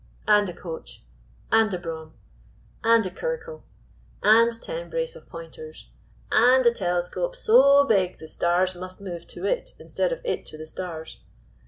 "And a coach. "And a brougham. "And a curricle. "And ten brace of pointers. "And a telescope so big the stars must move to it, instead of it to the stars.